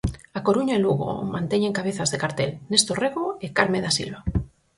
A Coruña e Lugo manteñen cabezas de cartel: Néstor Rego e Carme da Silva.